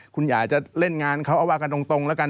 คุณอยากจะเล่นงานเขาเอาว่ากันตรงแล้วกัน